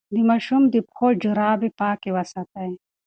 د ماشوم د پښو جرابې پاکې وساتئ.